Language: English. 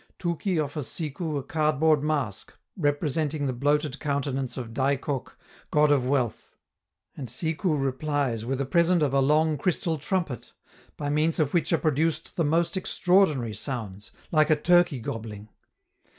Touki offers Sikou a cardboard mask representing the bloated countenance of Dai Cok, god of wealth; and Sikou replies with a present of a long crystal trumpet, by means of which are produced the most extraordinary sounds, like a turkey gobbling.